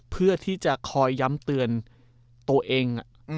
เพื่อที่จะคอยย้ำเตือนตัวเอง